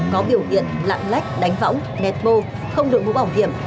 có biểu hiện lạng lách đánh võng nét mô không được vũ bảo hiểm